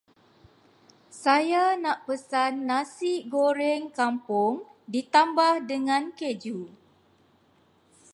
Saya nak pesan Nasi goreng kampung ditambah dengan keju.